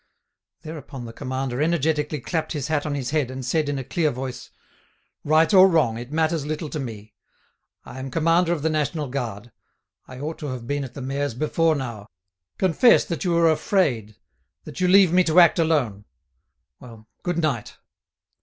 Thereupon the commander energetically clapped his hat on his head, and said in a clear voice: "Right or wrong, it matters little to me. I am commander of the National Guard. I ought to have been at the mayor's before now. Confess that you are afraid, that you leave me to act alone. ... Well, good night."